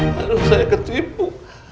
harus saya ketipu